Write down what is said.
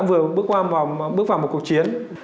vừa bước vào một cuộc chiến